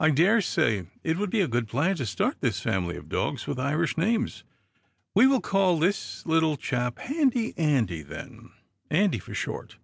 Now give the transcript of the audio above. I daresay it would be a good plan to start this family of dogs with Irish names. We will call this little chap Handy Andy then — Andy for short."